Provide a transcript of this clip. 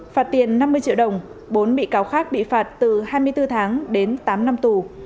phạt tiền năm mươi triệu đồng bốn bị cáo khác bị phạt từ hai mươi bốn tháng đến tám năm tù